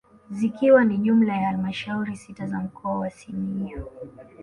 Zikiwa ni jumla ya halmashauri sita za mkoa wa Simiyu